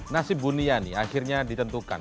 nasib buniani akhirnya ditentukan